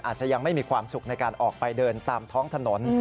อาจจะยังไม่มีความสุขในการออกไปเดินตามท้องถนน